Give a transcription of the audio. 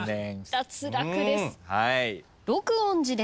脱落です。